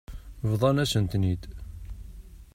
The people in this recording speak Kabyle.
Bḍan-asen-ten-id.